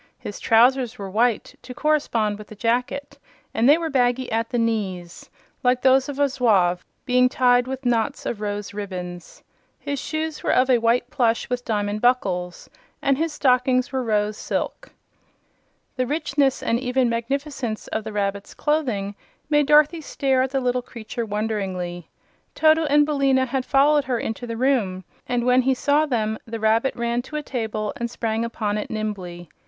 His trousers were white, to correspond with the jacket, and they were baggy at the knees like those of a zouave being tied with knots of rose ribbons. His shoes were of white plush with diamond buckles, and his stockings were rose silk. The richness and even magnificence of the rabbit's clothing made Dorothy stare at the little creature wonderingly. Toto and Billina had followed her into the room and when he saw them the rabbit ran to a table and sprang upon it nimbly.